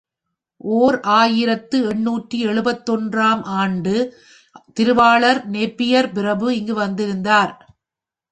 ஓர் ஆயிரத்து எண்ணூற்று எழுபத்தொன்று ஆம் ஆண்டு திருவாளர் நேப்பியர் பிரபு இங்கு வந்திருந்தார்.